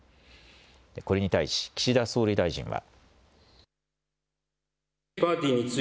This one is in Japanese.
これに対し岸田総理大臣は。